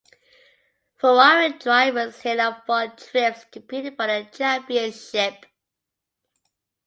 Ferrari drivers Hill and Von Trips competed for the championship.